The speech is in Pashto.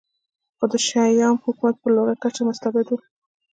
خو د شیام حکومت په لوړه کچه مستبد و